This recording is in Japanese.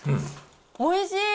おいしい。